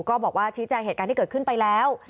ก็บอกว่าชี้แจงเหตุการณ์ที่เกิดขึ้นไปแล้ว